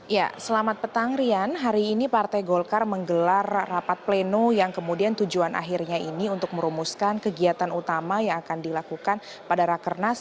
ya selamat petang rian hari ini partai golkar menggelar rapat pleno yang kemudian tujuan akhirnya ini untuk merumuskan kegiatan utama yang akan dilakukan pada rakernas